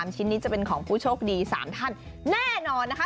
ชิ้นนี้จะเป็นของผู้โชคดี๓ท่านแน่นอนนะคะ